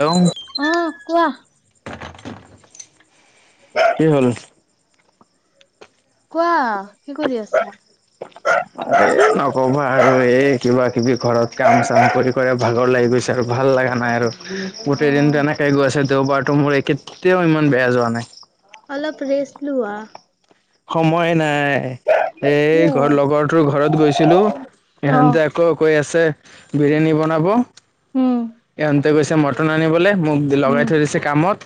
অ। অ কোৱা [unintelligible] কি হ'ল। কোৱা কি কৰি আছা। এ নকবা আৰু এই কিবা কিবি। ঘৰত কাম চাম কৰি কৰি ভাগৰ। উলাই গৈছে আৰু ভাল লগা নাই। আৰু অ গোটেই দিনটো এনেকেই গৈছে। দেওঁবাৰটো মোৰ কেতিয়াওঁ ইমান বেয়া যোৱা নাই। অলপ ৰেষ্ট লোৱা। সময় নাই। নাই এই কিয় ঘৰ লগৰটোৰ ঘৰত গৈছিলোঁ। অ ইহঁতে আকৌ কৈ আছে বিৰিয়ানী বনাব। উম ইহঁতে গৈছে মটন আনিবলে। মোক লগাই উম থৈ গৈছে কামত।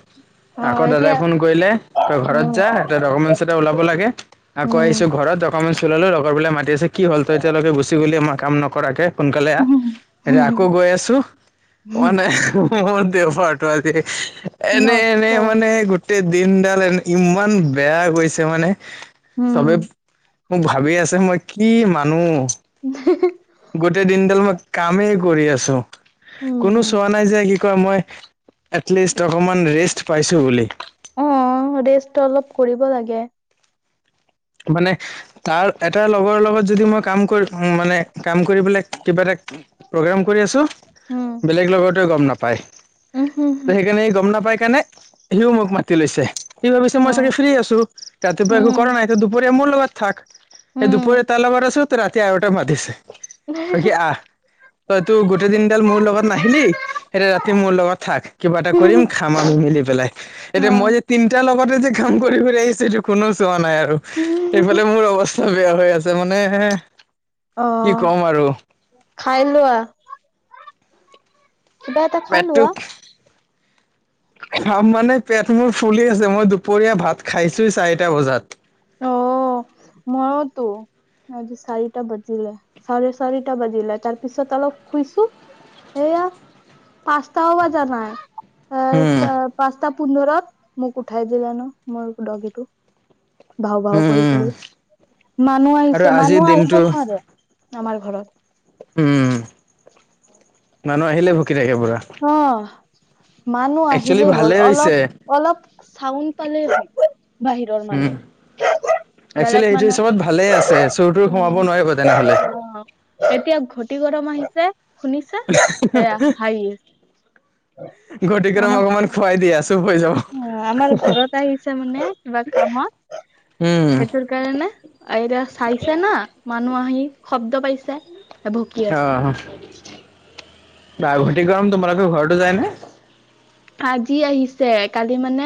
অ আকৌ দাদাই এতিয়া ফোন কৰিলে, কয় ঘৰত উম যা তই ডকুমেন্ট এটা ওঁলাব লাগে ।আকৌ আহিছোঁ উম ঘৰত ডকুমেন্ট । লগৰ বিলাকে মাতি আছে। কি হ'ল তই এতিয়ালৈকে গুচি গলি আমাৰ কাম নকৰাকে। সোনকালে আহ এতিয়া আকৌ গৈ আছোঁ। কোৱা নাই [unintelligible] এনে নষ্ট এনে মানে গো গোটেই দিনডাল ইমান বেয়া গৈছে মানে চবে উম মোক ভাবি আছে মই কি মানো। [unintelligible] গোটেই দিনডাল মই কামেই কৰি আছো। কোনো উম চোৱা নাই যে কি কয় মই এটলিষ্ট অকমান ৰেষ্ট পাইছো বুলি। অ ৰেষ্ট অলপ কৰিব লাগে। মানে তাৰ এটা লগৰ লগত যদি মই কাম কৰি মানে কাম কৰি পেলাই কিবা এটা প্ৰগ্ৰাম কৰি আছো উম বেলেগ লগত ত গম নাপায়। উম হম ত হম সেইকাৰণে গম নাপাই [unintelligible] সিও মোক মাতি লৈছে কি ভাবিছে মই অ চাগে ফ্ৰী আছো ৰাতিপুৱা একো উম কৰা নাই দুপৰীয়া মোৰ লগত থাক। স দুপৰীয়া তাৰ লগত আছ ত ৰাতি আৰু এটা মাতিছে। কি আহ তইতো গোটেই দিনডাল মোৰ লগত নাহিলি এতিয়া ৰাতি মোৰ লগত থাক কিবা এটা কৰিম খাম আমি মিলি পেলাই এতিয়া মই উম যে তিনটাৰ লগত তে যে কাম কৰি আহিছেইটো কোনো চোৱা নাই আৰু। এইফালে মোৰ অৱস্থা বেয়া হৈ আছে মানে অ কি ক'ম আৰু খাই লোৱা। কিবা এটা খাই পেটটো লোৱা। খাম মানে পেট মোৰ ফুলি আছে মই দুপৰীয়া ভাত খাইছো চাৰিটা বজাত। অ মইতো আজি চাৰিটা বাজিলে চাৰে চাৰিটা বাজিলে তাৰপিছত অলপ শুইছো সেয়া পাঁচটাও বজা নাই। উম পাচঁটা পুন্ধৰত মোক উঠাই দিলান মোৰ ডগিটো। ভাও ভাও উম কৰি উম কৰি মানুহ আৰু আহিছে আজিৰ মানুহ আহিব দিনটো নোৱাৰে। আমাৰ ঘৰত। উম মানুহ আহিলে ভুক কেইতাৰিখৰ পৰা অ' মানুহ আহিলেই হ'ল অলপ অলপ চাউনড পালে বাহিৰৰ উম মানুহ একচুৱেলি বেলেগ সেইটো হিচাপত ভালে আছে মানুহে চোৰ তোৰ সোমাব নোৱাৰিব তেনেহলে উম এতিয়া ঘতি গৰম আহিছে শুনিছা সেয়া হাহি ঘটি কেটামান অকমান খুৱাই দিয়া চুপ হৈ যাব অ আমাৰ ঘৰত আহিছে মানে কিবা কামত উম সেইটোৰ কাৰণে আয়ৰা চাইছে না মানুহ আহি শব্ ত পাইছে এ ভুকি আছে। আহ বা ভতি গৰম তোমাৰোকো ঘৰতো যায় নে? আজি আহিছে কালি মানে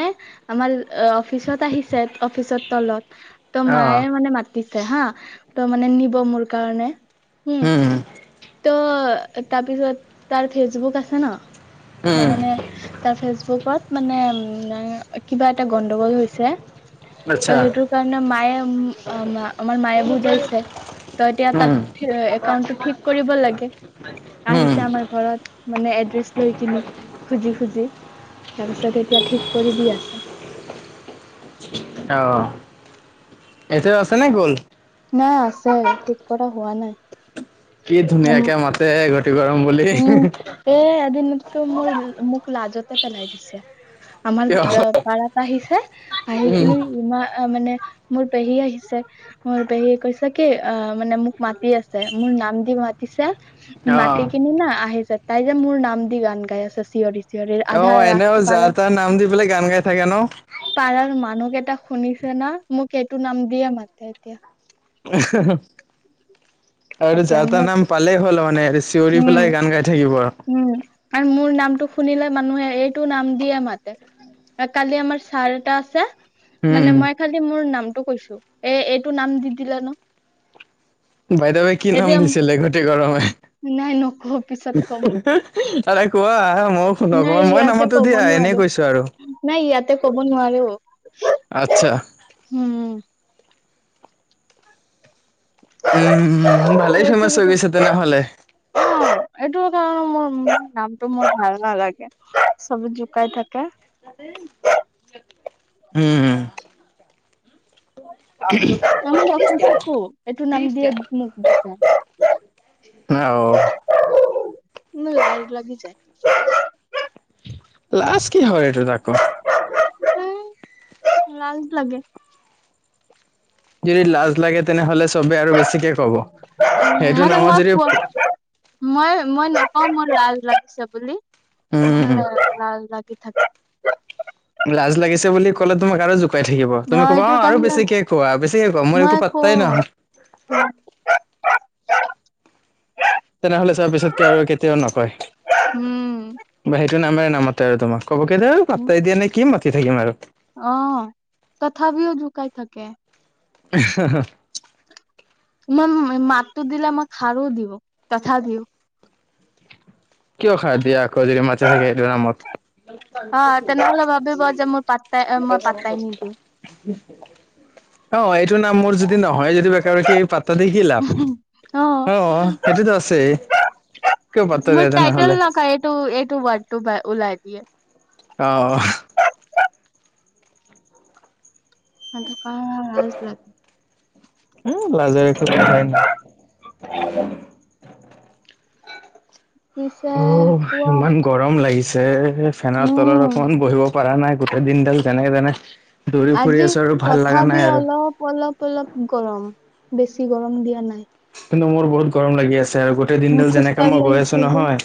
আমাৰ অফিচত আহিছে অফিচৰ তলত। ত আহ মায়ে মানে মাতিছে। হা ত মানে নিব মোৰ কাৰণে উম ত তাৰপিছত তাৰ ফেচবুক আছে ন। ত উম মানে ফেচবুকত মানে কিবা এটা গণ্ডগোল হৈছে ত' আচ্ছা সেইটোৰ কাৰণে মায়ে আমাৰ মায়ে বুজাইছে ত এতিয়া তাৰ উম একাউন্টটো ঠিক কৰিব লাগে, উম আহিছে আমাৰ ঘৰত। মানে এড্ৰেছ লৈ কিনি খুজি খুজি তাৰপিছত এতিয়া ঠিক কৰি দি আছে। আহ্! এতিয়া আছে নে গ'ল? না আছে ঠিক কৰা হোৱা নাই। কি ধুনীয়াকে মাতে ঘৰ [unintelligible] তো মোৰ মোক লাজতে পেলাই দিছে। আমাৰ পাৰাত আহিছে আহি কিনি ইমা মানে মোৰ পেহী আহিছে মোৰ পেহীয়ে কৈছে কি অ মানে মোক মাতি আছে মোৰ নাম দি মাতিছে। অ মাটিক আহিছে তাই যে মোৰ নাম দি গান গাই আছে চিঞৰি।। অ আধা এনেও ৰাস্তা পাৰা যাৰ তাৰ নাম দি পেলাই গান গাই থাকে ন। পাৰাৰ মানুহ কেইটা শুনিছে না মোক এইটো নাম দিয়ে মাতে এতিয়া। [unintelligible] আৰু এতিয়া যা-তা মোক নাম পালেই হ'ল মানে ৰিচ উম। উম । আৰু মোৰ নামটো শুনিলা মানুহে এইটো নাম দিয়ে মাতে । কালি আমাৰ ছাৰ এটা আছে। মানে উম মই খালি মোৰ নাম তো কৈছোঁ । এ- এইটো নাম দি দিলে ন'। বাইদেৱে কি নাম এতিয়া দিছিলে? গতি গৰমে? নাই নকওঁ, পিছত কম। আৰে কোৱা ময়ো শুনো নাই, অকমান, মই ইয়াতে নামাতো কব দিয়া এনেই নোৱাৰোঁ। কৈছো আৰু। নাই, ইয়াতে কব নোৱাৰোঁ। আচ্ছা, উম। উম, ভালেই এইটো ফেমাছ হৈ অ' গৈছে তেনেহলে। এইটোৰ মোৰ নামটো মোৰ ভাল নালাগে। চবে জোকাই থাকে। উম। [unintelligible] চকো এইটো নাম দিয়ে মোক [unintelligible] অ' লাজ লাগি যায়। লাজ কি হয় এইটো তাকো। উম, লাজ লাগে। যদি লাজ লাগে, তেনেহলে চবেই আৰু বেছিকে কব । সেইটো মানে নামত মই যদি কয় মোৰ লাজ লাগিছে বুলি। উম লাজ লাগে। থাক। লাজ লাগিছে বুলি ক'লে, তোমাক আৰু জো পাই থাকিব । তুমি নহয় কবা এইটোৰ অ' আৰু কাৰণে বেছিকে কোৱা - বেছিকে কোৱা । মই একো পাত্তাই নহয়। তেনেহলে চোৱা । পিছতকে আৰু কেতিয়াও নকয়। উম, বা টো নামেৰে নামাতে আৰু তোমাক। ক'ব কে হেই পাত্তাই দিয়া নাই। কি মাতি থাকিম আৰু। কাই থাকে। হঁ - হঁ - হঁ-। ন মাতটো দিলে মই খাৰো দিওঁ । তথা দিওঁ কিয় খাৰ দিয়া আকৌ, যদি মাতি থাকে সেইটো নামত? অ ', তেনেহলে ভাবিব যে মোৰ পাত্তাই- মই পাত্তাই নিদিওঁ। অ', এই টো নাম মোৰ যদি নহয় যদি, বেকাৰকে পাত্তা দি কি লাভ? অ', সেইটোতো আছেই । কিয় পাত্তা দিয়া টাইটল তেনেহলে নকয়। এইটো- এইটো ৱাৰ্ডটো বা- ওলায়। দিয়ে। আহ', হেল্ল', ক, লাজ লাগে। এ ', লাজেই কথাই নাই। [inaudible] পিছে অ, কোৱা ইমান গৰম লাগিছে, ফেনৰ তলত উম, অকমান বহিব পৰা নাই, গোটেই দিনডাল যেনে- তেনে, দৌৰি ফুৰি আজি, আছো আৰু ভাল লগা তথাপি নাই আৰু অলপ- অলপ -অলপ গৰম, বেছি গৰম দিয়া নাই। কিন্তু, মোৰ বহুত গৰম লাগি আছে। আছে, আৰু গোটেই মোৰ দিনডাল যেনেকা খোজকাঢ়ি মই গৈ আছো আহিছে যে। নহয়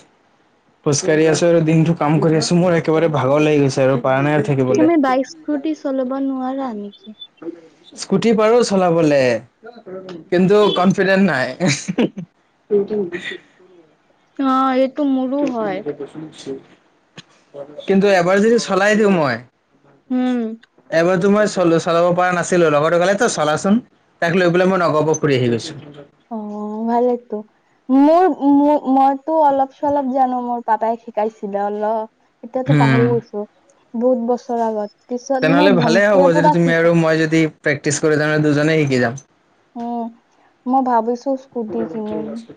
খোজকাঢ়ি আছো আৰু দিনতটো কাম কৰি আছো, মোৰ একেবাৰে ভাগৰ লাগি গৈছে আৰু পাৰা নাই আৰু থাকিবলে তুমি বাইক স্কুটি চলাব নোৱাৰা নেকি? স্কুটি পাৰো চলাবলে। কিন্তু, নাই অ এই কি শুছো [unintelligible] কিন্তু, এবাৰ যদি চলাই দিওঁ মই উম। এবাৰ তোমাৰ চল চলাব পৰা নাছিলো, লগৰটোয়ে ক'লে চলাচোন, তাক লৈ পেলাই মই নগাঁও পৰা ফুৰি আহি গৈছো। অ, ভালেতো মোৰ, মইতো অলপ- চলপ জানো মোৰ পাপাই শিকাইছিলে অলপ, এতিয়াতো হম পাহৰি গৈছো। বহুত বছৰ আগত পিছত মোৰ তেনেহ'লে ভালে হ'ব, ভন্টিয়ে যদি পুৰা তুমি শিকা আৰু মই যদি প্ৰেক্টিছ কৰি, তাৰমানে দুজনেই শিকি যাম। উম, মই ভাবিছো স্কুটি কিনিম আছে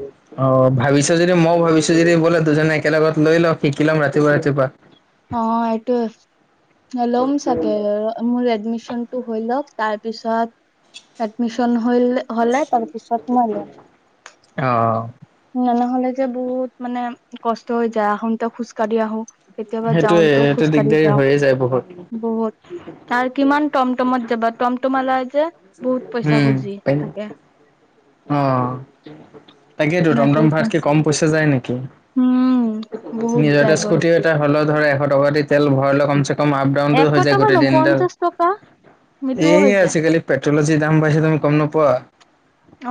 [unintelligible] অ ভাবিছা যদি মই ভাবিছো যদি বোলে দুজনে একেলগত লৈ লওঁ, শিকি লম ৰাতিপুৱা- ৰাতিপুৱা, অ, এইটোয়ে ল'ম চাগে মোৰ এডমিচন টো হৈ লওক, তাৰপিছত এডমিচন হলে তাৰ পিছত মই লম, অ ন ন নহলে যে বহুত মানে কষ্ট হৈ যায় আহোতে খোজ কাঢ়ি আহো। কেতিয়াবা সেইটোয়ে যাওঁতেও সেইটো খোজকাঢ়ি দিগদাৰী যাওঁ হৈয়ে যায় বহুত বহুত আৰু কিমান টমটমত যাবা টমটমৱালাই যে বহুত পইচা খুজি থাকে। অঁ তাকেইেতো টমটম ভাড়া নেটৱৰ্কৰ কৈ কম পইচা যায় নেকি। উম বহুত নিজৰ এ যায়গৈ স্কুটি এটা হ'লত ধৰা এশ টকা দি তেল ভৰাই লৈ কমচে কম আপ ডাউনটো এশ হৈ যায় টকা গোটেই ন দিনডাল পঞ্চাশ টকা সেইটোও এই হৈ যায় আজিকালি পে চলচি দাম পাইছে তুমি গম নপোৱা?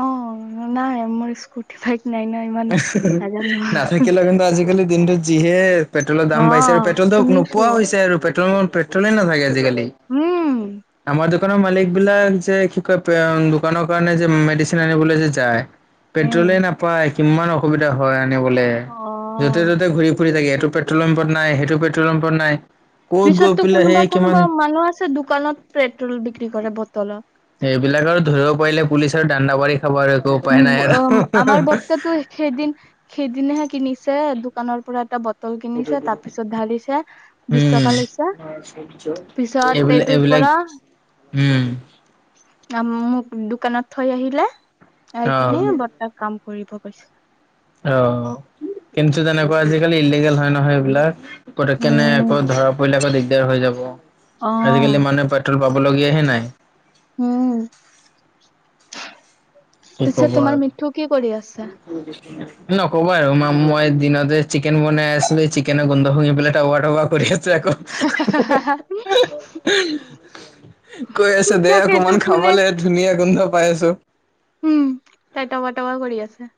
অ নাই মোৰ স্কুটি বাইক নাই ন ইমান নাজানো [unintelligible] নাথাকিলেও কিন্তু আজিকালি দিনটোত যিহে পেট্ৰ'লৰ দাম অ বাঢ়িছে আৰু পেট্ৰ'লতো শুনিছো নোপোৱা হৈছে আৰু পেট্ৰ'ল পেট্ৰ'লেই নাথাকে আজিকালি। উম। আমাৰ দোকানৰ মালিক বিলাক যে কি কয় দোকানৰ কাৰণে যে মেডিচিন আনিবলৈ যে যায় উম পেট্ৰ'লে নাপায়। কিমান অসুবিধা হয়। বোলে অ য'তে ত'তে ঘূৰি, ফুৰি থাকে। এইটো পেট্ৰ'ল পাম্পত নাই, সেইটো পেট্ৰ'ল পাম্পত নাই। ক'ত গৈ পিছততো পেলাই কোনোবা, সেই কিমান কোনোবা মানুহ আছে দোকানত পেট্ৰ'ল বিক্ৰী কৰে বটলত। এইবিলাক আৰু ধৰিব পাৰিলে পুলিচ আৰু দাণ্ডা বাৰী উ উ আমাৰ বৰ্তাটো সেইদিন, সেইদিন হে কিনিছে দোকানৰ পৰা এটা ব বটল কিনিছে তাৰপিছত ঢালিছে বিশ উম টকা লৈছে পিছত এইবিলাক এইটোৰ এইবিলাক পৰা উম। আ মোক দোকানত থৈ আহিলে । যায় অ কিনে এ বৰ্তা কাম কৰিব গৈছে। অ' কিন্তু তেনেকুৱা আজিকালি ইলিগেল হয় নহয় এইবিলাক। ক'ত কেনে উম আকৌ ধৰা পৰিল আকৌ দেৰ হৈ যাব। অ আজিকালি মানুহ পেট্ৰ'ল পাব লগীয়াহে নাই। উম। কি পিছে ক'ব তোমাৰ আৰু মিঠু কি কৰি আছে? নক'বা আৰু মা মই দিনতে চিকেন বনাই আছিলো চিকেনৰ গোন্ধ শুঙি পেলাই টাৱা টাৱা কৰি আছে। [unintelligible] [inaudible] কৈ আছে দে তাক সেইটো অকমান কোনে খাবলে ধুনীয়া গোন্ধ। পাই আছো। উম তাই টকা টকা কৰি আছে। [inaudible]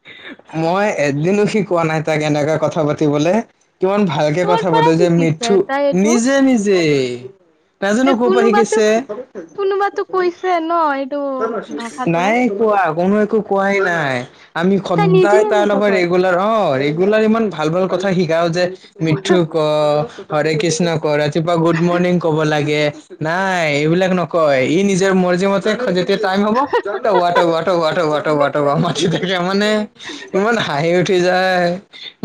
মই এদিনো শিকোৱা নাই তাক এনেকৈ কথা পাতিবলে। কিমান ভালকে কৰ কথা পৰা পাতো যে শিকিছে মিথু তাই এইটো নিজে নিজে। নাজানো এই ক'ৰ পৰা কোনোবাতো শিকিছে। কোনোবাতো কৈছে ন এইটো ভাষাটো। নাই কোৱা কোনো একো কোৱাই নাই। আমি তাই নিজে সদায় তাৰ এনেকা লগৰ কয় ৰেগুলাৰ অ' ৰেগুলাৰ ৰেগুলাৰ ইমান ভাল ভাল কথা শিকাও যে মিঠু ক'। হৰে কৃষ্ণ কৰা ৰাতিপুৱা গুড মৰ্ণিং ক'ব লাগে। নাই এইবিলাক নকয় ই নিজৰ মৰ্জিমতে খোজে যেতিয়া টাইম হব তবা তবা তবা মাতি দে ইমান হাঁহি উঠি যায়।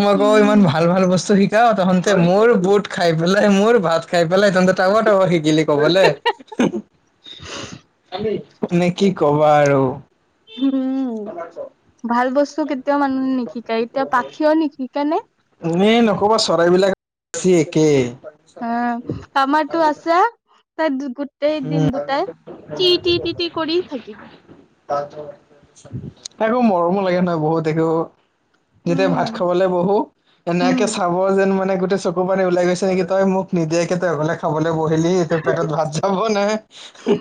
মই কও ইমান উম, ভাল ভাল বস্তু শিকে ক তাহতে মোৰ গোট খাই পেলাই মোৰ ভাত খাই পেলাই তবা তবা শিকিলি কবলে! মানে কি কবা আৰু। উম ভাল বস্তু [unintelligible] মানুহ নিশিকাই এতিয়া পাখিয়ও নিশিকা নে? এনেই নকবা চৰাইবিলাক বেছি একে। হ' টামাটো আছা? তাই গোটেই দিন উম। দুটাই টি টি টি টি কৰি থাকিব। একো মৰমো লাগে নহয় বহুত একো যেতিয়া উম, ভাত খাবলৈ বহো উম, এনেকে চাব যেন মানে গোট ত চকু পানী ওলাই গৈছে নেকি তই মোক নিদিয়াকে তই অকলে খাবলে তই বহিলি, এইটো পেটত ভাজ ন'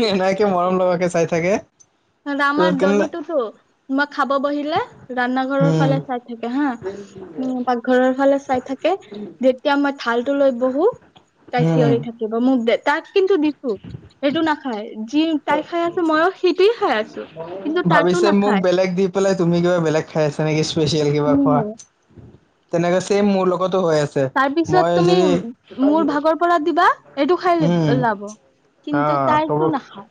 এনেকে ম [unintelligible] মৰম লগাকে চাই থাকে। পিছত আমাৰ কেনে দগীটোতো তোমাক খাব বহিলে ৰাণা ঘৰৰ উম ফালে চাই থাকে হা, উম পাকঘৰৰ ফালে। ফালে চাই থাকে। যেতিয়া মই থাল টো লৈ বহো তাই উম চিঞৰি থাকিব মোক দে। তাক কিন্তু দিছো, সেইটো নাখায়। যি তাই খাই আছে, মইও হে ভাবিছে মোক বেলেগ দি দি পেলাই, তুমি গৈ কিবা বেলেগ খাই আছা নেকি? স্পেচিয়েল কিবা উম। খোৱা তেনেকে ছেম মোৰ লগত তাৰ পিছত তুমি মোৰ ভাগৰ পৰা দিবা, এইটো খাই উম লও লব, অ কিন্তু তাৰতো ক'ব নাখাওঁ।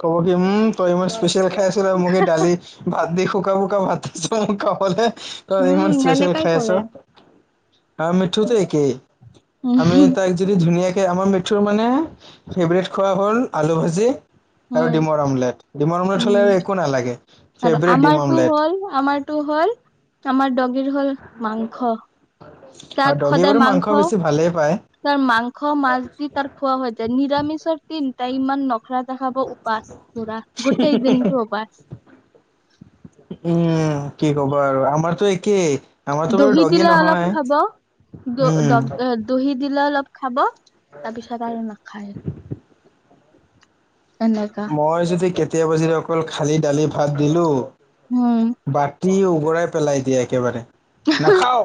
কব কি, ওম তই ইমান স্পেচিয়েল খাই আছিলা আৰু মোক সেই দালি ভাত দি শুকান- শুকান ভাত, কবলে [unintelligible] অ, ইমান উম স্পেচিয়েল এনেকাই খাই আছ। কৰে অ মিঠুতো তো একেই, উম আমি তাক যদি ধুনীয়াকে আমাৰ মিঠুৰ মানে, ফেভৰেট খোৱা হ'ল আলু ভাজি। আৰু উম ডিমৰ আমলেট, ডিমৰ আমলেট হ'লে উম আৰু একো নালাগে আৰু ফেভৰেট ডিম আমাৰতো আমলেট। হ'ল আমাৰতো হল, আমাৰ এখিনি মাংস। তাক আৰু সদায় দগীবোৰো মাংস বেছি ভালেই পায়। তাৰ মাংস, মাছ দি তাৰ খোৱা হৈ যায়। নিৰামিষৰ কি চিন্তাই ইমান ন পখৰা দে হাব [unintelligible] উপাস পৰা গোটেই দিনটো উপাস উম কি কবা আৰু আমাৰতো একেই, আমাৰতো বাৰু দহি ডগী দিলে অলপ নহয় খাব, দ উম দহি দিলে অলপ খাব। তাৰপিছত আৰু নাখায়। এনেকা মই যদি কেতিয়াবা জিয়াম অকল খালি দালি ভাত দিলোঁ। উম। কি উগৰাই পেলাই দিয়ে একেবাৰে। নাখাও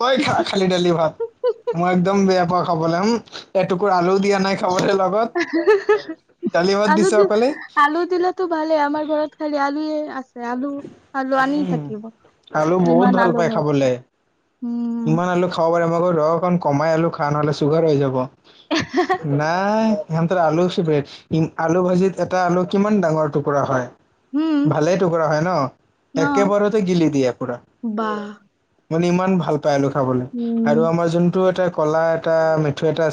তই খা খালি ডালি ভাত মই একদম বেয়া পাওঁ। ক'বলৈ ও এটুকুৰা আলু কি আনে খাবলে লগত দালি ভাত আলু দিছে দি আলু দিলাতো ভালেই আমাৰ ঘৰত খালি আ [unintelligible] আছে আলু আলু আনি উম থাকিব আলু বহুত ইমান ভাল আলু পাই ঘৰ খাবলে ইমান আলু খাব পাৰে মই ৰ অকণ কমাই আলু খা নহলে চুগাৰ হৈ যাব। নাই। ইহঁতৰ আলু ফেভৰেট ইম আলু ভাজিত এটা আলু কিমান ডাঙৰ টুকুৰা হয়। উম, ভালেই টুকুৰা হয় ন অ', একেবাৰতে গিলি দিয়ে পুৰা। বাহ মানে ইমান ভাল [unintelligible] খাবলে উম। আৰু আমাৰ যোনটো এটা কলা এটা মেথু এটা